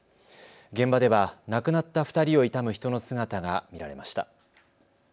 現場では亡くなった２人を悼む人の姿が見られました。